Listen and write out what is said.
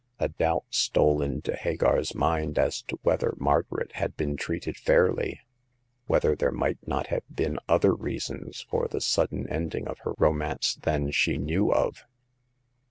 A doubt stole into Hagar's mind as to whether Margaret had been treated fairly ; whether there might not have been other reasons for the sud den ending of her romance than she knew of.